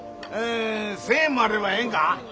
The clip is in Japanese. １，０００円もあればええんか？